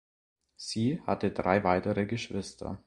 Sie hatte drei weitere Geschwister.